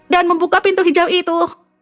dan memuka pintu hijau itu